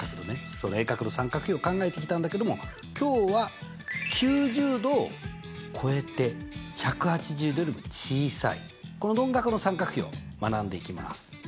その鋭角の三角比を考えてきたんだけれども今日は９０°を超えて１８０°よりも小さいこの鈍角の三角比を学んでいきます。